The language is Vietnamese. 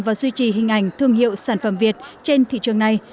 và duy trì hình ảnh thương hiệu sản phẩm việt trên thị trường này